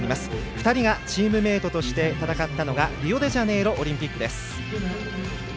２人がチームメートとして戦ったのがリオデジャネイロオリンピックです。